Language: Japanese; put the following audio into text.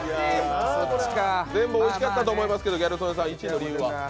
全部おいしかったと思いますが、１位の理由は？